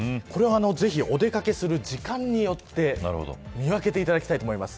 ぜひ、お出掛けする時間によって見分けていただきたいと思います。